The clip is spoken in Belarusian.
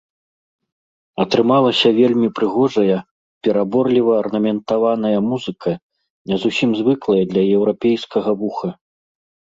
Атрымалася вельмі прыгожая, пераборліва арнаментаваная музыка, не зусім звыклая для еўрапейскага вуха.